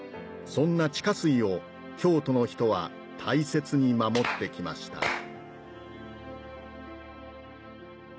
そんな地下水を京都の人は大切に守ってきました